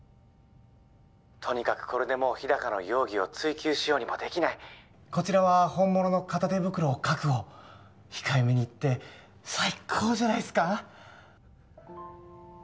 ☎とにかくこれでもう☎日高の容疑を追及しようにもできないこちらは本物の片手袋を確保控えめに言ってサイコーじゃないすか？